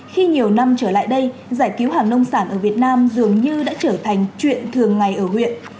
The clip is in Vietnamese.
khi nhiều năm trở lại đây giải cứu hàng nông sản ở việt nam dường như đã trở thành chuyện thường ngày ở huyện